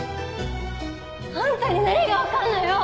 あんたに何が分かるのよ！